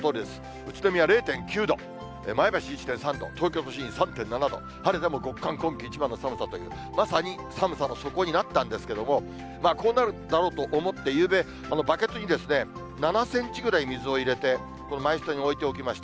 宇都宮０．９度、前橋１．３度、東京都心３．７度、晴れても極寒、今季一番の寒さという、まさに寒さの底になったんですけれども、こうなるだろうと思って、ゆうべ、バケツに７センチぐらい水を入れて、マイスタに置いておきました。